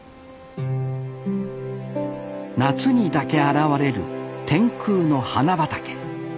夏にだけ現れる天空の花畑。